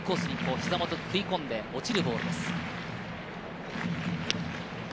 ひざ元に食い込んで落ちるボールです。